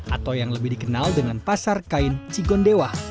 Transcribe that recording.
atau yang lebih dikenal dengan pasar kain cigondewa